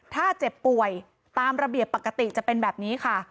ถ้าเจ็บป่วยตามระเบียบปกติจะเป็นแบบนี้ค่ะ